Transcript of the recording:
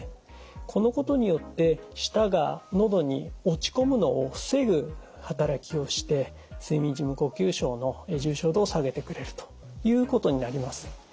このことによって舌がのどに落ち込むのを防ぐ働きをして睡眠時無呼吸症の重症度を下げてくれるということになります。